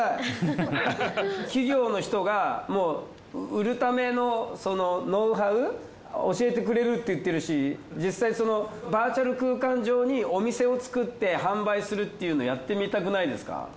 企業の人が売るためのノウハウ教えてくれるって言ってるし実際バーチャル空間上にお店を作って販売するっていうのやってみたくないですか？